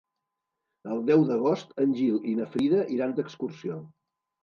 El deu d'agost en Gil i na Frida iran d'excursió.